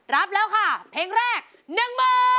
รับแล้วค่ะเพลงแรก๑หมื่น